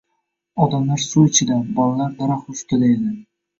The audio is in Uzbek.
Odamlar suv ichida, bolalar daraxt ustida edi